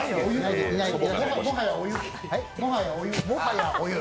もはやお湯。